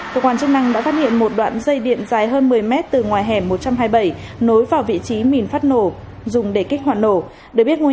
xin chào và hẹn gặp lại